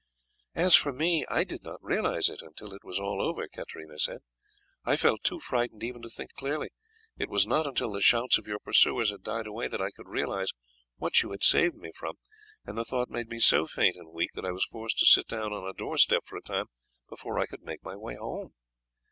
"As for me, I did not realize it until it was all over," Katarina said. "I felt too frightened even to think clearly. It was not until the shouts of your pursuers had died away that I could realize what you had saved me from, and the thought made me so faint and weak that I was forced to sit down on a door step for a time before I could make my way home.